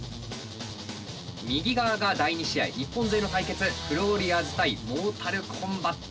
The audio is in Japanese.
右側が第２試合日本勢の対決フローリアーズ対モータルコンバット。